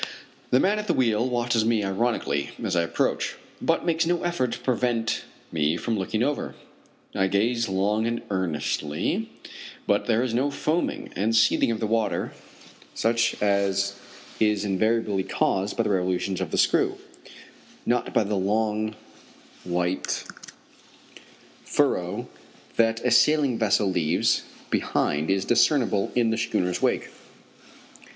The man at the wheel watches me ironically as I approach, but makes no effort to prevent me from looking over. I gaze long and earnestly, but there is no foaming and seething of the water such as is invariably caused by the revolutions of the screw naught but the long white furrow that a sailing vessel leaves behind is discernible in the schooner's wake.